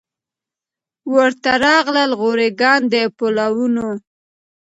ورته راغلل غوري ګان د پولاوونو